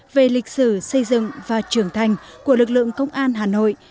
về lịch sử xây dựng và trưởng thành của lực lượng công an hà nội